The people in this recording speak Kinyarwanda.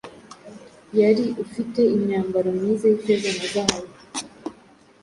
yariufite imyambaro myiza y’ifeza na zahabu